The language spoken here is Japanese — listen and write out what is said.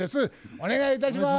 お願いいたします。